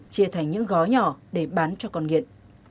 chia thành những gó nhỏ để bán cho con nghiện